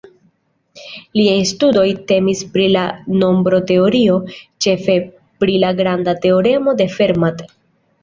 Liaj studoj temis pri la nombroteorio, ĉefe pri la granda teoremo de Fermat.